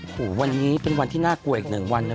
โอ้โหวันนี้เป็นวันที่น่ากลัวอีกหนึ่งวันนะ